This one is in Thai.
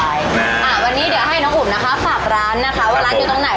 อ่าวันนี้เดี๋ยวให้น้องอุ๋มนะคะฝากร้านนะคะว่าร้านอยู่ตรงไหน